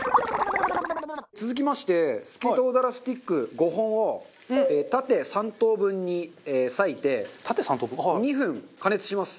続きましてスケソウダラスティック５本を縦３等分に裂いて２分加熱します。